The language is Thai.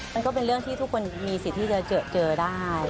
มันก็เป็นเรื่องที่ทุกคนมีสิทธิ์ที่จะเจอได้